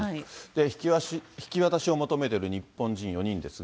引き渡しを求めている日本人４人ですが。